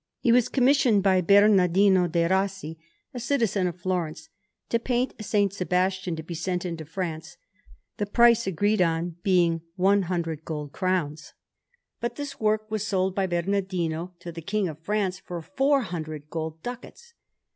He was commissioned by Bernardino de' Rossi, a citizen of Florence, to paint a S. Sebastian to be sent into France, the price agreed on being one hundred gold crowns; but this work was sold by Bernardino to the King of France for four hundred gold ducats.